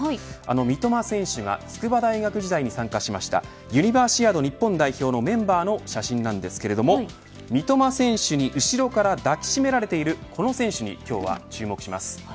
三笘選手が筑波大学時代に参加しましたユニバーシアード日本代表のメンバーの写真ですが、三笘選手に後ろから抱き締められているこの選手に今日は注目します。